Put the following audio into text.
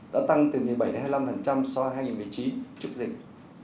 đã tăng từ một mươi bảy hai mươi năm so với hai nghìn một mươi chín trước dịch